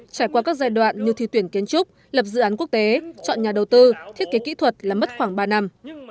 trải qua các giai đoạn như thi tuyển kiến trúc lập dự án quốc tế chọn nhà đầu tư thiết kế kỹ thuật là mất khoảng ba năm